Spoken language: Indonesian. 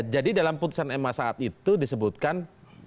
jadi dalam putusan ma saat itu disebutkan